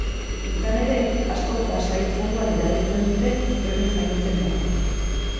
Izan ere, askok pasahitz moduan erabiltzen dute euren jaiotze data.